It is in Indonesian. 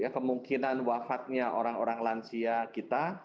kemungkinan wafatnya orang orang lansia kita